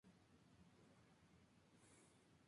Es uno de cuatro colegios católicos para hombres en la ciudad.